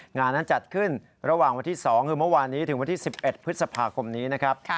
งานนั้นจัดขึ้นระหว่างวันที่๒คือเมื่อวานนี้ถึงวันที่๑๑พฤษภาคมนี้นะครับ